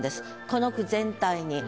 この句全体に。